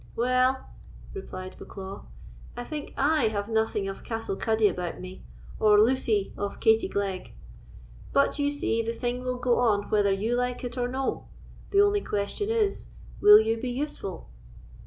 "Well!" replied Bucklaw, "I think I have nothing of Castle Cuddy about me, or Lucy of Katie Glegg. But you see the thing will go on whether you like it or no; the only question is, will you be useful?"